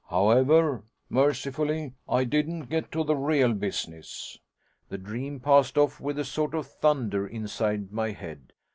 However, mercifully, I didn't get to the real business. The dream passed off with a sort of thunder inside my head.